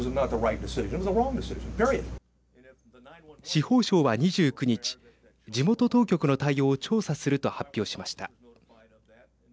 司法省は２９日地元当局の対応を調査すると発表しました。